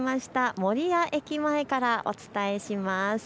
守谷駅前からお伝えします。